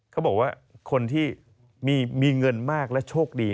คนที่มีเงินมากและโชคดี